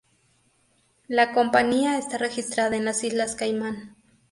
La compañía está registrada en las Islas Caimán.